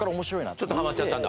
ちょっとハマっちゃったんだ。